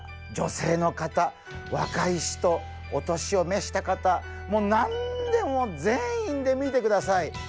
女性の方若い人お年をめした方もう何でも全員で見てください。